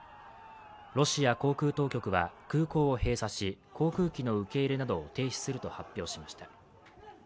ロシア航空当局は空港を閉鎖し、航空機の受け入れなどを停止すると発表しました。